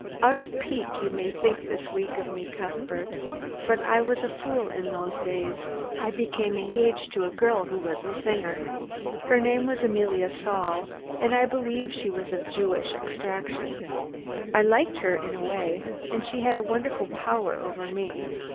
Out of pique you may think this weak of me, Cuthbert, but I was a fool in those days I became engaged to a girl who was a singer. Her name was Emilia Saul, and I believe she was of Jewish extraction. I liked her in a way, and she had a wonderful power over me.